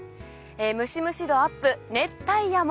ムシムシ度アップ、熱帯夜も。